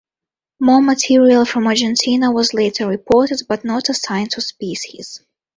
More material from Argentina was later reported, but not assigned to species.